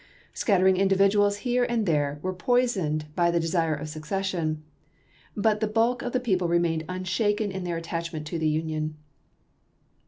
Scattering individuals here and there were poi soned by the desire of secession; but the bulk of the people remained unshaken in their attachment to the Union.